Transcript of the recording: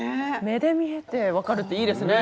目で見えて分かるっていいですね。